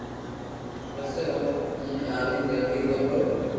پسي او او آوين جلدي گيو پرو